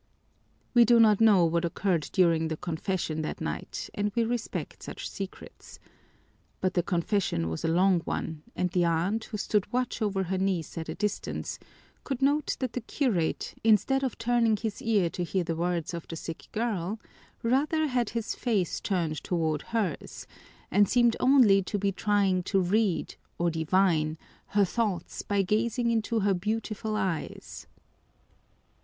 We do not know what occurred during the confession that night and we respect such secrets. But the confession was a long one and the aunt, who stood watch over her niece at a distance, could note that the curate, instead of turning his ear to hear the words of the sick girl, rather had his face turned toward hers, and seemed only to be trying to read, or divine, her thoughts by gazing into her beautiful eyes.